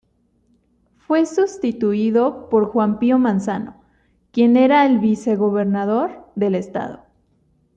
Fue sustituido por Juan Pío Manzano quien era el vice-gobernador del estado.